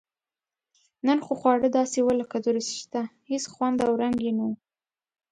نن خو خواړه داسې و لکه دورسشته هېڅ خوند او رنګ یې نه و.